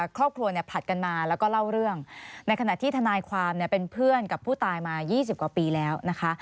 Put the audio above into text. ครอบครัวเนี่ยผลัดกันมาแล้วก็เล่าเรื่องในขณะที่ทนายความเป็นเพื่อนกับผู้ตายมา๒๐กว่าปีแล้วนะคะ